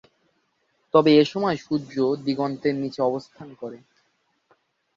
তবে এসময় সূর্য দিগন্তের নিচে অবস্থান করে।